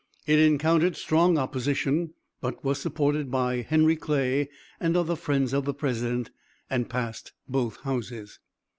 It encountered strong opposition, but was supported by Henry Clay and other friends of the president, and passed both houses.